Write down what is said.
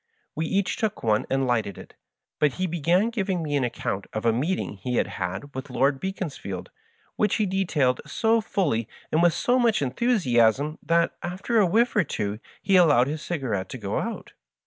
We each took one and lighted it, but he began giving me an account of a meeting he had had with Lord Beaconsfield, which he detailed so fully and with so much enthusiasm that, after a whifiE or two he allowed his cigarette to go out.